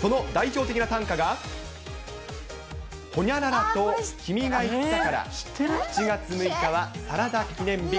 その代表的な短歌が、ホニャララと君が言ったから七月六日はサラダ記念日。